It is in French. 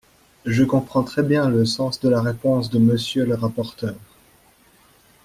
Je comprends très bien le sens de la réponse de Monsieur le rapporteur.